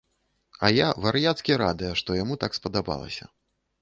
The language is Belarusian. А я вар'яцкі радая, што яму так спадабалася.